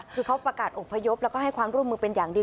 คือเขาประกาศอบพยพแล้วก็ให้ความร่วมมือเป็นอย่างดี